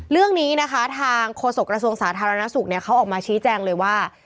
เรื่องนี้นะคะทางโฆษกระทรวงสาธารณสุขเขาออกมาชี้แจงเลยว่า